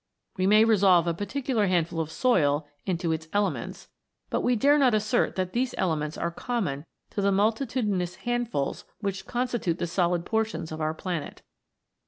We may resolve a particular handful of soil into its elements, but we dare not assert that these elements are common to the multitudinous handfuls which constitute the solid portions of our planet.